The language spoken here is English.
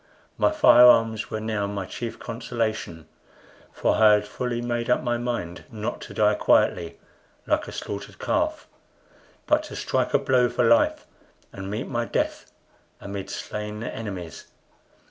My fire arms were now my chief consolation; for I had fully made up my mind not to die quietly like a slaughtered calf, but to strike a blow for life, and meet my death amid slain enemies.